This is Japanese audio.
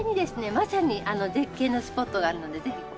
まさに絶景のスポットがあるのでぜひ。